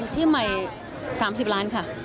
ที่ใหม่๓๐ล้านค่ะ